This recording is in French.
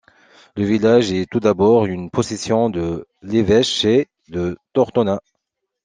Le village est tout d'abord une possession de l'évêché de Tortona.